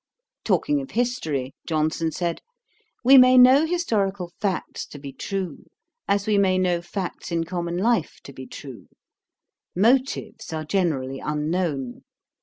Talking of history, Johnson said, 'We may know historical facts to be true, as we may know facts in common life to be true. Motives are generally unknown.